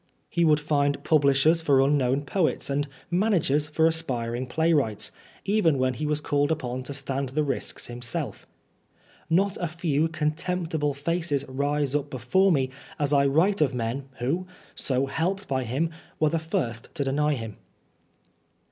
He would find publishers for unknown poets and managers for aspiring playwrights, even when he was called upon to stand the risks 42 Oscar Wilde himself. Not a few contemptible faces rise up before me as I write of men who, so helped by him, were the first to deny him.